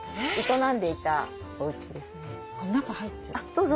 どうぞ。